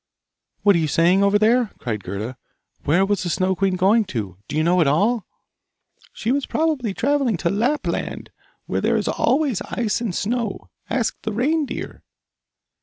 'What are you saying over there?' cried Gerda. 'Where was the Snow queen going to? Do you know at all?' 'She was probably travelling to Lapland, where there is always ice and snow. Ask the reindeer.